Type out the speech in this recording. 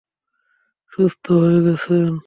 সুস্থ হয়ে গেছেন?